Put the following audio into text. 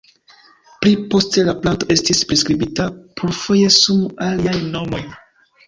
Pli poste la planto estis priskribita plurfoje sum aliaj nomoj.